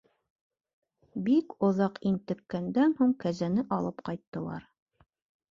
Бик оҙаҡ интеккәндән һуң кәзәне алып ҡайттылар.